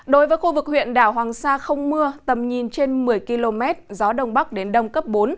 đối với khu vực huyện đảo hoàng sa không mưa tầm nhìn trên một mươi km gió đông bắc đến đông cấp bốn